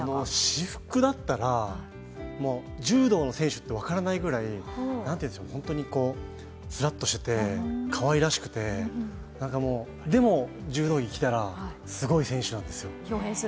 私服だったら柔道の選手って分からないぐらい、スラッとしててかわいらしくて、でも、柔道着着たらすごい選手なんですよ。